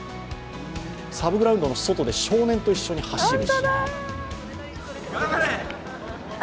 サブグラウンドの外で少年と一緒に走っています。